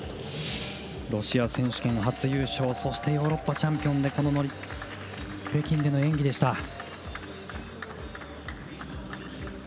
ロシア選手権初優勝そしてヨーロッパチャンピオンでこの北京での演技でした。